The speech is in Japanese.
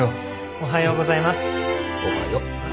おはよう。